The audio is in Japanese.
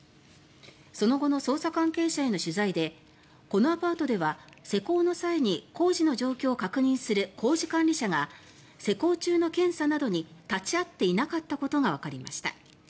その後の捜査関係者への取材でこのアパートでは施工の際に工事の状況を確認する工事監理者が施工中の検査などに立ち会っていなかったことがわかりました。